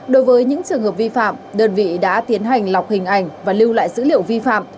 đối với những trường hợp vi phạm đơn vị đã tiến hành lọc hình ảnh và lưu lại dữ liệu vi phạm